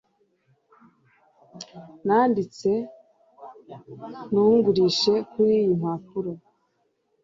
Nanditse ntugurishe kuriyi mpapuro